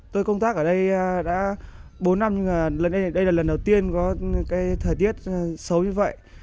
tôi công tác ở đây đã bốn năm nhưng lần đây là lần đầu tiên có cái thời tiết xấu như vậy